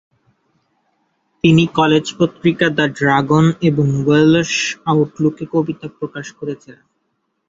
তিনি কলেজ পত্রিকা the Dragon এবং ওয়েলশ আউটলুকে কবিতা প্রকাশ করেছিলেন।